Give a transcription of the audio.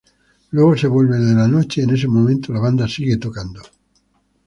Luego se vuelve de la noche y en ese momento la banda sigue tocando.